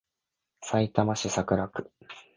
さいたま市桜区